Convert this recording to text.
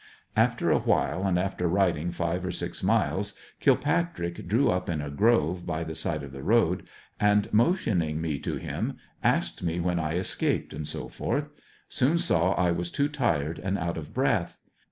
After a while and after riding five or six miles, Kilpatrick drew up in a grove by the side of the road and mo tioning me to him, asked me when I escaped, etc. Soon saw I was too tired and out of breath.